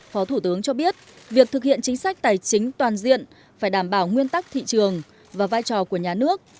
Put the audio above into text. phó thủ tướng cho biết việc thực hiện chính sách tài chính toàn diện phải đảm bảo nguyên tắc thị trường và vai trò của nhà nước